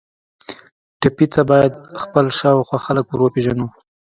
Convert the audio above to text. ټپي ته باید خپل شاوخوا خلک وروپیژنو.